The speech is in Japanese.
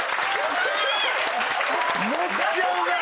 めっちゃうまい！